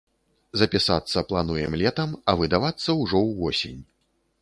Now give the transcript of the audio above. Запісацца плануем летам, а выдавацца ўжо ўвосень.